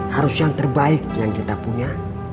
harus yang terbaik yang kita punya